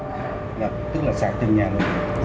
tức là sạc trên nhà